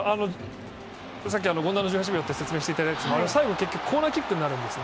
さっき権田の１８秒って説明していただいたやつも最後、結局コーナーキックになるんですね。